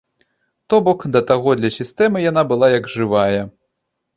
То бок, да таго для сістэмы яна была як жывая!